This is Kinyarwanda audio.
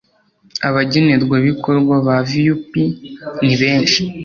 Abagenerwabikorwa ba viyupini benshi